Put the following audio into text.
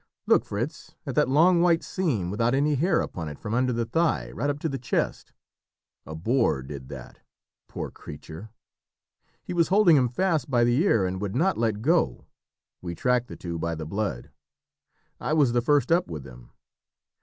"Look, Fritz, at that long white seam without any hair upon it from under the thigh right up to the chest. A boar did that. Poor creature! he was holding him fast by the ear and would not let go; we tracked the two by the blood. I was the first up with them.